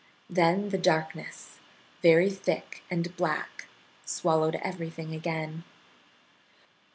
Then the darkness, very thick and black, swallowed everything again.